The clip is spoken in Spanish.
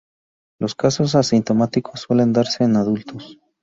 Los casos asintomáticos suelen darse en adultos.